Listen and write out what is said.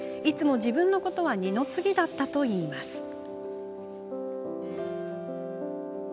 いつも自分のことは二の次だったといいます。